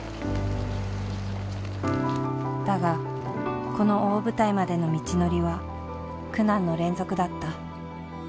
だがこの大舞台までの道のりは苦難の連続だった。